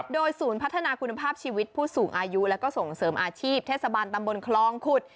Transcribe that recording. โดยศูนย์พัฒนาคุณภาพชีวิตผู้สูงอายุแล้วก็ส่งเสริมอาชีพเทศบาลตำบลคลองขุด